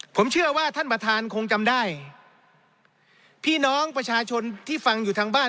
ผมเชื่อว่าท่านประธานคงจำได้พี่น้องประชาชนที่ฟังอยู่ทางบ้าน